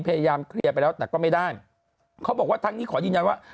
พยายามเคลียร์ไปแล้วแต่ก็ไม่ได้เขาบอกว่าทั้งนี้ขอยืนยันว่า